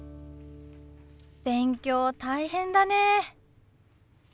勉強大変だね。